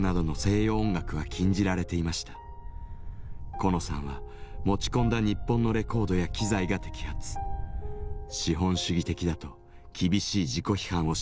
コノさんは持ち込んだ日本のレコードや機材が摘発資本主義的だと厳しい自己批判を強いられたといいます。